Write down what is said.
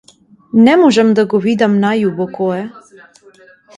Не можам да го видам најубо кој је.